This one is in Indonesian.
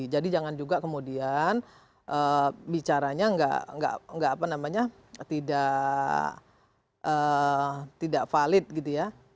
jadi jangan juga kemudian bicaranya tidak valid gitu ya